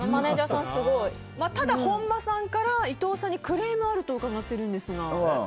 ただ、本間さんから伊藤さんにクレームがあると伺ってるんですが。